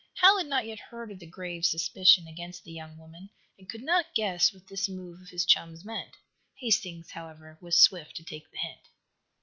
Hal had not yet heard of the grave suspicion against the young woman, and could not guess what this move of his chum's meant. Hastings, however, was swift to take the hint.